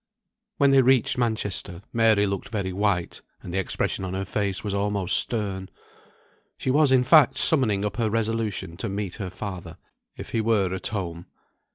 When they reached Manchester, Mary looked very white, and the expression on her face was almost stern. She was in fact summoning up her resolution to meet her father if he were at home.